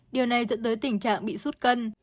điều này dẫn tới tình trạng bị sốt cân